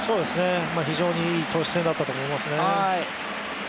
非常にいい投手戦だったと思いますね。